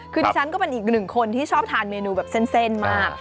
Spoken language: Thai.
คือดิฉันก็เป็นอีกหนึ่งคนที่ชอบทานเมนูแบบเส้นมาก